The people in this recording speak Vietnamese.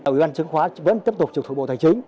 ủy ban chứng khoán vẫn tiếp tục trực thuộc bộ tài chính